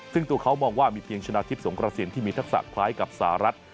ซึ่งตัวเขามองว่ามีเพียงชนะทิพย์สงกระสินที่มีทักษะคล้ายกับสหรัฐ